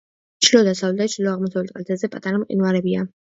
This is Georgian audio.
ჩრდილო-დასავლეთ და ჩრდილო-აღმოსავლეთ კალთებზე პატარა მყინვარებია.